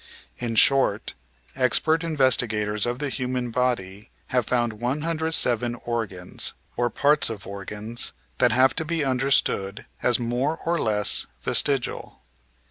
In short, expert investigators of the human body have found 107 organs, or parts of organs, that have to be understood as more or less vestigial.